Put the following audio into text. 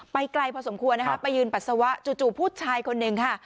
ไกลพอสมควรนะคะไปยืนปัสสาวะจู่ผู้ชายคนหนึ่งค่ะ